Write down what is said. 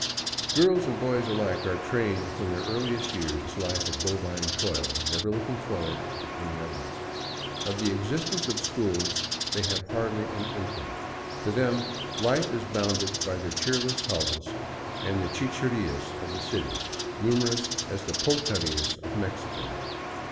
Girls and boys alike are trained from their earliest years to this life of bovine toil, never looking forward to any other. Of the existence of schools they have hardly an inkling. To them life is bounded by their cheerless hovels and the chicherias of the city, numerous as the pulquerias of Mexico.